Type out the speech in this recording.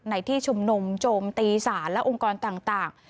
ในที่ชุมนุมโจมตีศาลและองค์กรต่าง